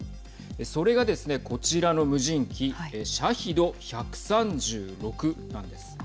それがですね、こちらの無人機シャヒド１３６なんです。